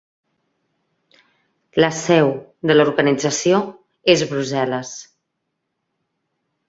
La seu de l'organització és Brussel·les.